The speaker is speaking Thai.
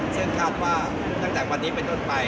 ซึ่งครับว่าตั้งแต่วันนี้ไปจนไป